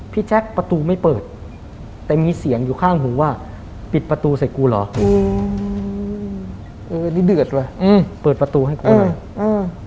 พี่แจ๊คประตูไม่เปิดแต่มีเสียงอยู่ข้างหูว่าปิดประตูเสร็จกูเหรอเออนี่เดือดว่ะเปิดประตูให้กูหน่อย